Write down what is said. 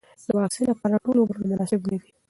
د واکسین لپاره ټول عمرونه مناسب نه دي.